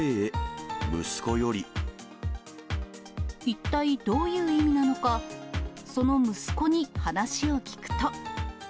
一体どういう意味なのか、その息子に話を聞くと。